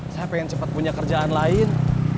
saya pengen cepat punya kerjaan lain